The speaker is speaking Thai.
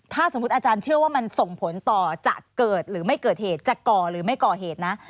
ถ้าสมมุติอาจารย์เชื่อว่ามันส่งผลต่อจะเกิดหรือไม่เกิดเหตุ